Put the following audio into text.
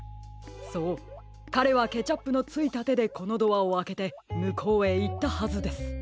そうかれはケチャップのついたてでこのドアをあけてむこうへいったはずです。